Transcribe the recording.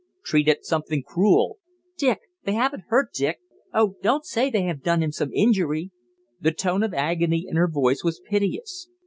"Treated something crool." "Dick! They haven't hurt Dick. Oh, don't say they have done him some injury!" The tone of agony in her voice was piteous.